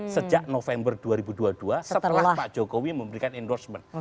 sejak november dua ribu dua puluh dua setelah pak jokowi memberikan endorsement